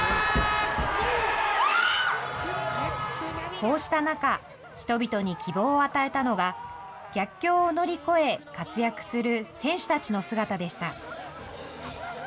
こうした中、人々に希望を与えたのが、逆境を乗り越え、活躍する選手たちの姿でした。